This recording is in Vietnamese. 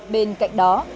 bên cạnh đó